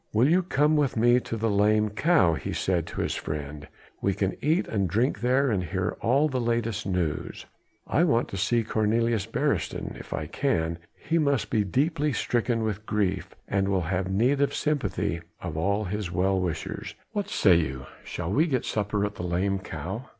"Will you come with me to the 'Lame Cow,'" he said to his friend, "we can eat and drink there and hear all the latest news. I want to see Cornelius Beresteyn if I can; he must be deeply stricken with grief and will have need of the sympathy of all his well wishers. What say you? Shall we get supper at the 'Lame Cow'?"